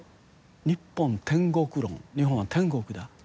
ニッポン天国論日本は天国だ。